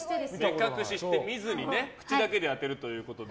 目隠しして口だけで当てるということで。